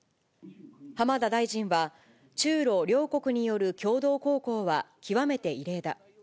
浜田大臣は中ロ両国による共同航行は極めて異例だ。